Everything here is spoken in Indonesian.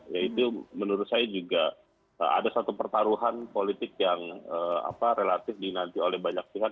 ya itu menurut saya juga ada satu pertaruhan politik yang relatif dinanti oleh banyak pihak